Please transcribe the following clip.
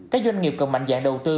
các doanh nghiệp cần mạnh dạng đầu tư